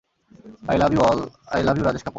I love you all, I love you Rajesh Kapoor.